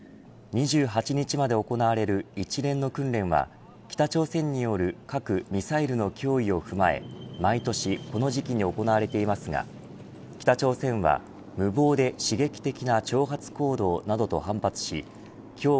２８日まで行われる一連の訓練は北朝鮮による核・ミサイルの脅威を踏まえ毎年この時期に行われていますが北朝鮮は、無謀で刺激的な挑発行動などと反発し今日